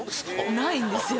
ないんですよ。